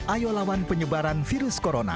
ayo lawan penyebaran virus corona